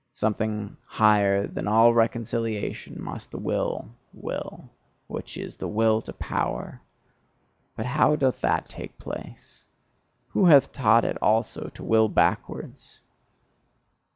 Something higher than all reconciliation must the Will will which is the Will to Power : but how doth that take place? Who hath taught it also to will backwards?